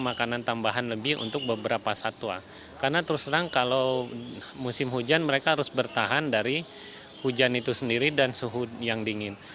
makanan tambahan lebih untuk beberapa satwa karena terus terang kalau musim hujan mereka harus bertahan dari hujan itu sendiri dan suhu yang dingin